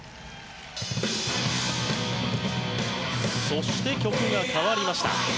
そして曲が変わりました。